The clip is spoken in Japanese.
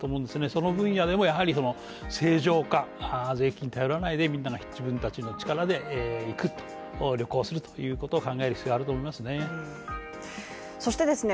その分野でもやはりその正常化税金に頼らないでみんなが自分たちの力で行くと旅行するということを考える必要あると思いますね。